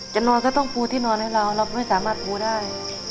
นอนก็ต้องปูที่นอนให้เราเราไม่สามารถปูได้